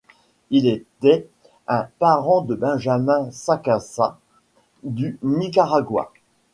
Il était un parent de Benjamín Sacasa, du Nicaragua.